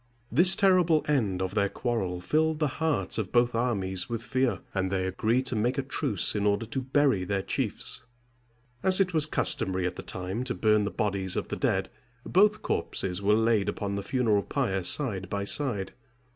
This terrible end of their quarrel filled the hearts of both armies with fear, and they agreed to make a truce in order to bury their chiefs. As it was customary at that time to burn the bodies of the dead, both corpses were laid upon the funeral pyre side by side.